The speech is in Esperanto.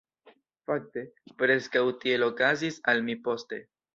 Fakte, preskaŭ tiel okazis al mi poste.